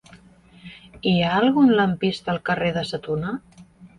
Hi ha algun lampista al carrer de Sa Tuna?